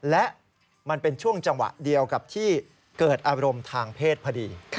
และมันเป็นช่วงจังหวะเดียวกับที่เกิดอารมณ์ทางเพศพอดี